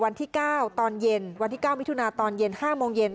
วันที่๙ตอนเย็นวันที่๙มิถุนาตอนเย็น๕โมงเย็น